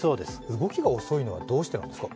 動きが遅いのはどうしてなんですか？